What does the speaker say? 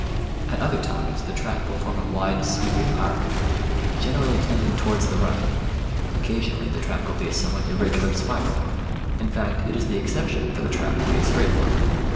At other times the track will form a wide sweeping arc, generally tending towards the right; occa sionally the track will be a somewhat irregular spiral; in fact, it is the exception for the track to be a straight one.